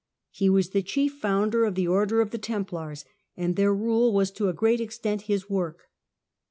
He was the chief founder of the Order of the Templars, and their rule was to a great extent his work.